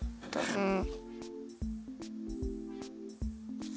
うん。